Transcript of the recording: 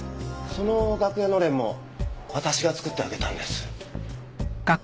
その楽屋のれんも私が作ってあげたんです。